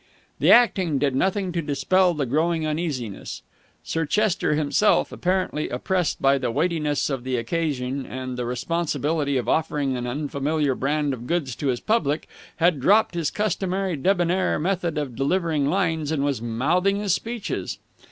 The acting did nothing to dispel the growing uneasiness. Sir Chester himself, apparently oppressed by the weightiness of the occasion and the responsibility of offering an unfamiliar brand of goods to his public, had dropped his customary debonair method of delivering lines and was mouthing his speeches.